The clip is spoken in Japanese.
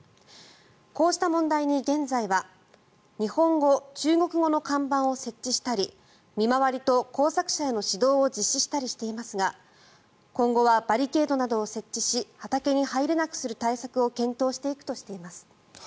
こうした問題に現在は日本語、中国語の看板を設置したり見回りと、耕作者への指導を実施したりしていますが今後はバリケードなどを設置し畑に入れなくする対策を検討していくとしています。